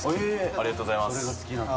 ありがとうございます。